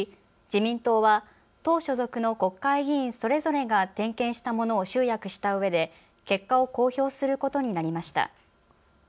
自民党は党所属の国会議員それぞれが点検したものを集約したうえで結果を公表することになりました。